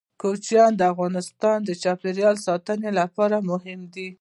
کوچیان د افغانستان د چاپیریال ساتنې لپاره مهم دي.